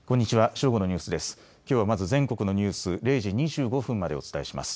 正午のニュースです。